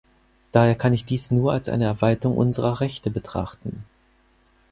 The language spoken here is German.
Daher kann ich dies nur als eine Erweiterung unserer Rechte betrachten.